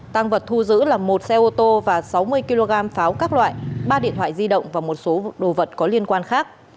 tăng vật thu giữ là một xe ô tô và sáu mươi kg pháo các loại ba điện thoại di động và một số đồ vật có liên quan khác